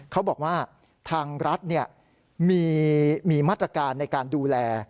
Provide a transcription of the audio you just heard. เขาบอกว่าทางรัฐมีมาตรการในการดูแล